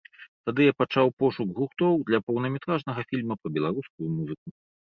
Тады я пачаў пошук гуртоў для поўнаметражнага фільма пра беларускую музыку.